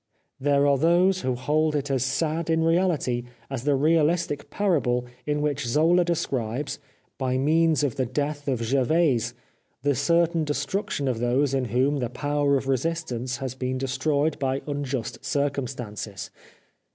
There are those who hold it as sad 425 The Life of Oscar Wilde in reality as the realistic parable in which Zola describes, by means of the death of Gervaise, the certain destruction of those in whom the power of resistance has been destroyed by unjust circumstances.